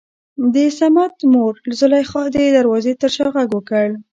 دصمد مور زليخا دې دروازې تر شا غږ وکړ.